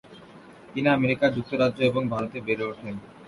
তিনি আমেরিকা, যুক্তরাজ্য এবং ভারতে বেড়ে ওঠেন।